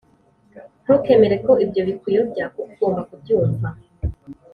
ntukemere ko ibyo bikuyobya kuko ugomba kubyumva.